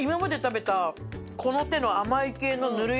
このての。